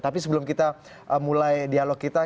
tapi sebelum kita mulai dialog kita